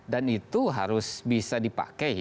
dan itu harus bisa dipakai